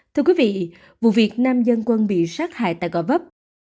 thưa quý vị vụ việc nam dân quân bị sát hại tại gò vấp